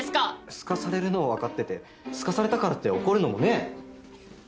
すかされるのを分かっててすかされたからって怒るのもねぇ。